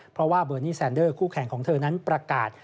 เพราะว่าเบอร์นี่แซนเดอร์คู่แข่งของเธอนั้นประกาศ